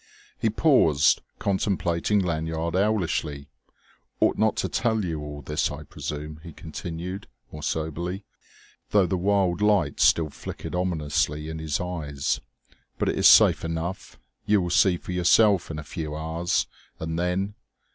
He paused, contemplating Lanyard owlishly. "Ought not to tell you all this, I presume," he continued, more soberly, though the wild light still flickered ominously in his eyes. "But it is safe enough; you will see for yourself in a few hours; and then